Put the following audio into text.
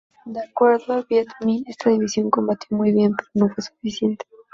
De acuerdo al Viet Minh, esta división combatió muy bien pero no fue suficiente.